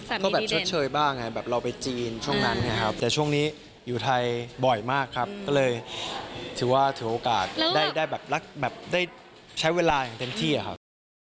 ก็แบบชดเชยบ้างไงแบบเราไปจีนช่วงนั้นไงครับแต่ช่วงนี้อยู่ไทยบ่อยมากครับก็เลยถือว่าถือโอกาสได้แบบรักแบบได้ใช้เวลาอย่างเต็มที่ครับ